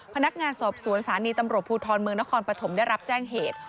พนักงานสอบสวนสารีตำรวจภูทรเมืองนครปฐมได้รับแจ้งเหตุ